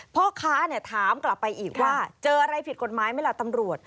พ่อค้าถามกลับไปอีกว่าเจออะไรผิดกฎหมายไหมล่ะตำรวจ